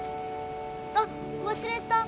あっ忘れた。